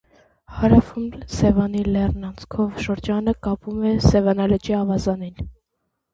Հարավում Սևանի լեռնանցքով շրջանը կապվում է Սևանա լճի ավազանին։